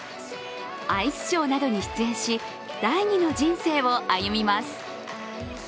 アイスショーなどに出演し、第２の人生を歩みます。